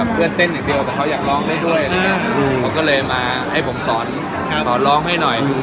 เพื่อนเต้นอย่างเดียวเขาอยากร้องด้วยก็เลยมาให้ผมสอนร้องให้หน่อย